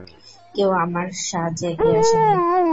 কেউ আমার সাহায্যে এগিয়ে আসেনি।